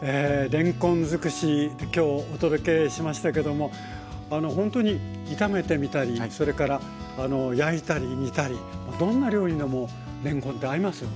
れんこん尽くしきょうお届けしましたけどもほんとに炒めてみたりそれから焼いたり煮たりどんな料理でもれんこんって合いますよね。